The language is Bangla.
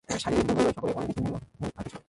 শারীরিক দৌর্বল্যই সকল অনিষ্টের মূল, আর কিছু নয়।